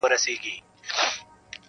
که یوازي دي په نحو خوله خوږه ده-